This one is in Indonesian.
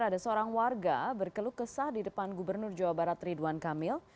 ada seorang warga berkeluh kesah di depan gubernur jawa barat ridwan kamil